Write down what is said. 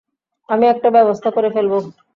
আমি একটা ব্যবস্থা করে ফেলব!